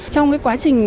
trong cái quá trình